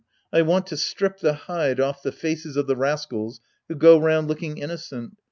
I want to strip the hide off the faces of the rascals who go round looking innocent.